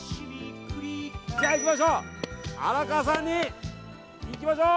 じゃあいきましょう。